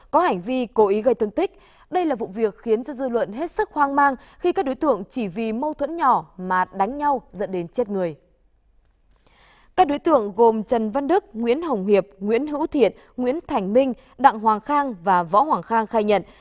các đối tượng gồm trần văn đức nguyễn hồng hiệp nguyễn hữu thiện nguyễn thành minh đặng hoàng khang và võ hoàng khang khai nhận